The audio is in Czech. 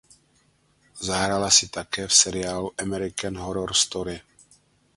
Zahrála si také v seriálu American Horror Story.